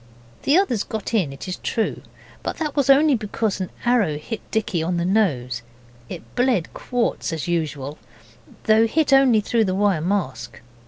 The others got in, it is true, but that was only because an arrow hit Dicky on the nose, and it bled quarts as usual, though hit only through the wire mask.